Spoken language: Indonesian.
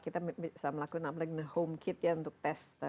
kita bisa melakukan apalagi home kit ya untuk tes